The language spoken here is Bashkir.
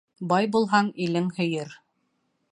Бай булһаң, илең һөйөр